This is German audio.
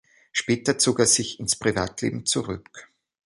Später zog er sich ins Privatleben zurück.